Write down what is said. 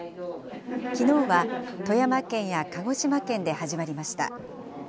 きのうは富山県や鹿児島県で始まりました。